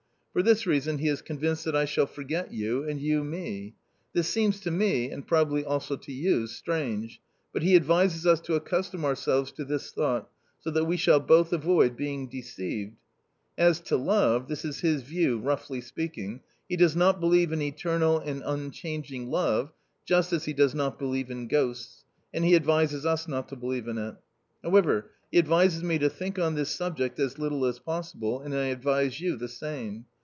For this reason he is convinced that I shall for get you and you me./ This seems to me — and probably also to you — strange, but he advises us to accustom our selves to this thought, so that we shall both avo id bein g ^dg£fiixed« As to love this is his view, roughly speaking ; he does not believe in eternal and unchanging love, just as he does not believe in ghosts — and he advises us not to believe in it. However, he advises me to think on this subject as little as possible and I advise you the same.